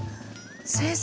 先生